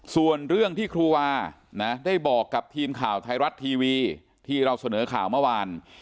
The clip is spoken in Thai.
ส่วนเรื่องที่ครูวาได้บอกกับทีมข่าวไทยรัฐทีวีที่เราเสนอข่าวเมื่อวาน